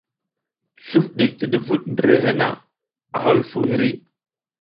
Sluf ɗik ti duvuɗ ndirehe na, a hulufuw hiri.